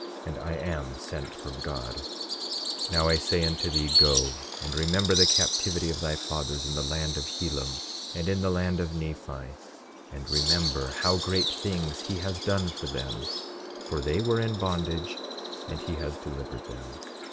And I am sent from God. 27:16 Now I say unto thee: Go, and remember the captivity of thy fathers in the land of Helam, and in the land of Nephi; and remember how great things he has done for them; for they were in bondage, and he has delivered them.